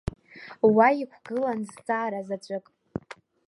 Уа иқәгылан зҵаара заҵәык…